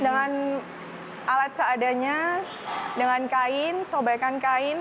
dengan alat seadanya dengan kain sobekan kain